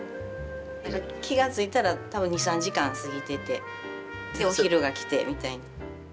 気が付いたら多分２３時間過ぎててでお昼が来てみたいな。